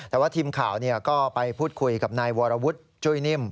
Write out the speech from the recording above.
แต่ว่าทีมข่าวก็ไปพูดคุยกับนายวรวุฒิจุ้ยนิ่ม